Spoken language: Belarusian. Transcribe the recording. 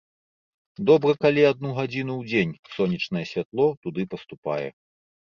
Добра, калі адну гадзіну ў дзень сонечнае святло туды паступае.